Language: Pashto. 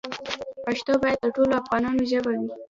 پښتو باید د ټولو افغانانو ژبه وي.